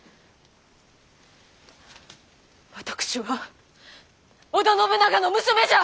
私は織田信長の娘じゃ！